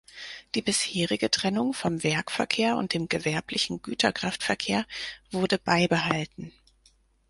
Die bisherige Trennung vom Werkverkehr und dem gewerblichen Güterkraftverkehr wurde beibehalten.